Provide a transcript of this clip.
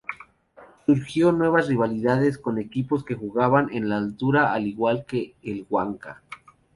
Surgió nuevas rivalidades con equipos que jugaban en altura al igual que el Wanka.